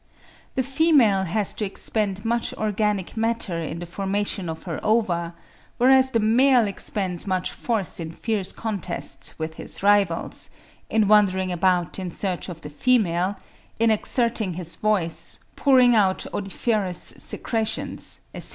The female has to expend much organic matter in the formation of her ova, whereas the male expends much force in fierce contests with his rivals, in wandering about in search of the female, in exerting his voice, pouring out odoriferous secretions, etc.